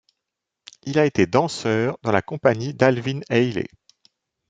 Il a été danseur dans la compagnie d'Alvin Ailey.